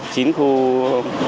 chúng tôi nhất trí